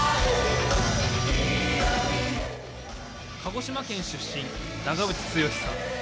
鹿児島県出身、長渕剛さん。